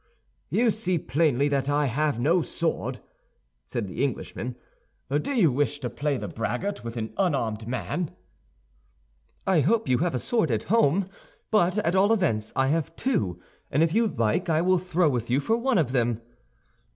"You see plainly that I have no sword," said the Englishman. "Do you wish to play the braggart with an unarmed man?" "I hope you have a sword at home; but at all events, I have two, and if you like, I will throw with you for one of them."